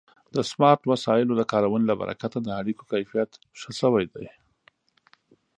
د سمارټ وسایلو د کارونې له برکته د اړیکو کیفیت ښه شوی دی.